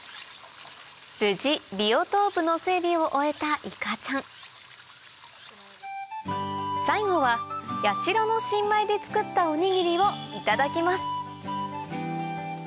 無事ビオトープの整備を終えたいかちゃん最後は八代の新米で作ったおにぎりをいただきます